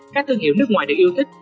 các thương hiệu nước ngoài được yêu thích